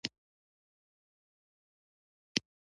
په ورته وخت کې پرتګال د برازیل پر ختیځه برخه د مالکیت ادعا کوله.